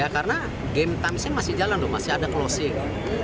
karena game times nya masih jalan masih ada closing